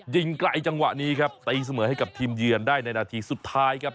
ไกลจังหวะนี้ครับตีเสมอให้กับทีมเยือนได้ในนาทีสุดท้ายครับ